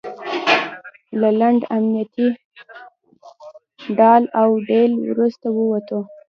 له لنډ امنیتي ډال او ډیل وروسته ووتلو.